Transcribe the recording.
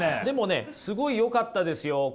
でもねすごいよかったですよ。